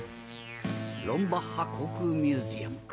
ロンバッハ航空ミュージアムか。